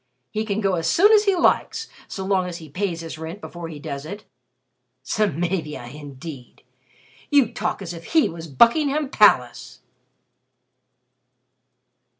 He can go as soon as he likes, so long as he pays his rent before he does it. Samavia, indeed! You talk as if he was Buckingham Palace!"